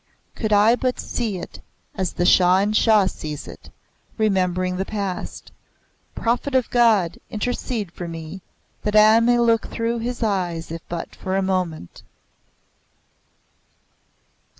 Could I but see it as the Shah in Shah sees it, remembering the past! Prophet of God, intercede for me, that I may look through his eyes, if but for a moment!"